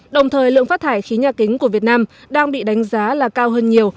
đồng thời lượng phát thải khí nhà kính của việt nam đang bị đánh giá là cao hơn nhiều